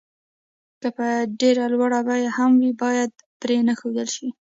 که په ډېره لوړه بيه هم وي بايد پرې نه ښودل شي.